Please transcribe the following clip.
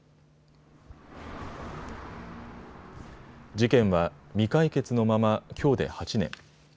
事件は未解決のままきょうで８年。